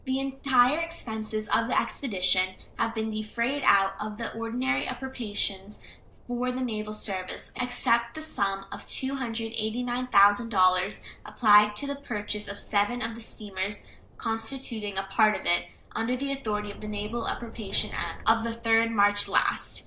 The entire expenses of the expedition have been defrayed out of the ordinary appropriations for the naval service, except the sum of $289,000, applied to the purchase of seven of the steamers constituting a part of it, under the authority of the naval appropriation act of the 3d March last.